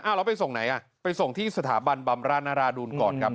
แล้วไปส่งไหนอ่ะไปส่งที่สถาบันบำราชนราดูนก่อนครับ